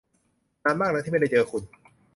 นานมากแล้วที่ไม่ได้เจอคุณ !